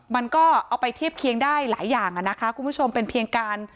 มันก็เอาไปเทียบเคียงได้หลายอย่างอ่ะนะคะคุณผู้ชมเป็นเพียงการ